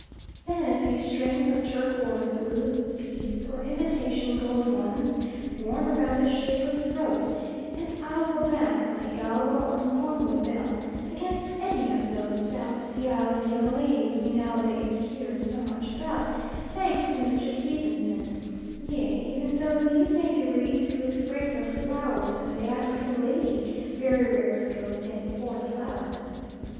Then a few strings of turquoise blue beads, or imitation gold ones, worn round the shapely throat; and I will back my Igalwa or M'pongwe belle against any of those South Sea Island young ladies we nowadays hear so much about, thanks to Mr. Stevenson, yea, even though these may be wreathed with fragrant flowers, and the African lady very rarely goes in for flowers.